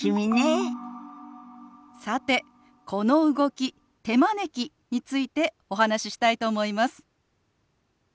さてこの動き「手招き」についてお話ししたいと思います。